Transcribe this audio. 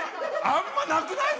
あんまなくない？